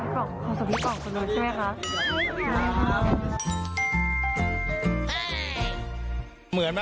ห่อศพที่ป๋องกันเลยใช่ไหมคะ